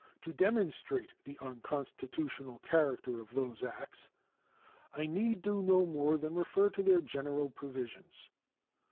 To demonstrate the unconstitutional character of those acts I need do no more than refer to their general provisions.